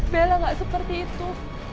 bella gak seperti itu